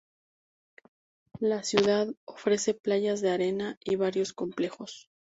La ciudad ofrece playas de arena y varios complejos.